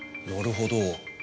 なるほど。